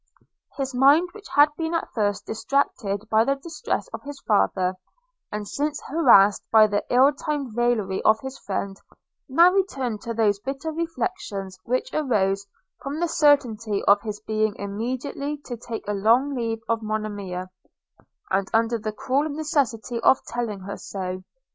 His mind, which had been at first distracted by the distress of his father, and since harassed by the ill timed raillery of his friend, now returned to those bitter reflections which arose from the certainty of his being immediately to take a long leave of Monimia, and under the cruel necessity of telling her so.